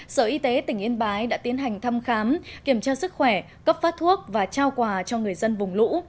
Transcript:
sở y tế tỉnh yên bái đã tiến hành thăm khám kiểm tra sức khỏe cấp phát thuốc và trao quà cho người dân vùng lũ